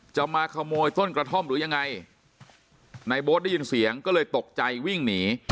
จะมาขโมยต้นกระท่อมหรือยังไงนายโบ๊ทได้ยินเสียงก็เลยตกใจวิ่งหนี